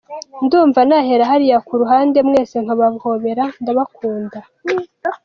Ndumva nahera hariya ku ruhande mwese nkabahobera, ndabakunda!”.